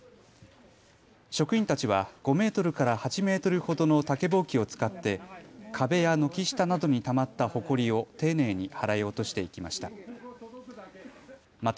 職員たちは５メートルから８メートルほどの竹ぼうきを使って壁や軒下などにたまったほこりを丁寧に払い落としていきました。